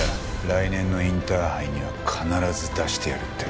来年のインターハイには必ず出してやるって。